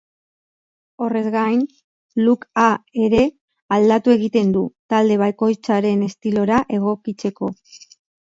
Horrez gain, look-a ere aldatu egiten du, talde bakoitzaren estilora egokitzeko.